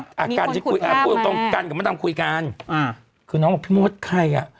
มีคนคุยภาพไหมอ่ากันกับมะดำคุยกันอ่าคือน้องบอกพี่มดใครอ่ะ